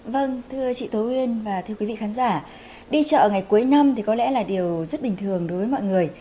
vâng thưa chị tố uyên và thưa quý vị khán giả đi chợ ngày cuối năm thì có lẽ là điều rất bình thường đối với mọi người